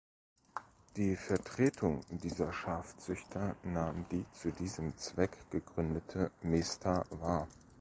Die Vertretung dieser Schafzüchter nahm die zu diesem Zweck gegründete Mesta wahr.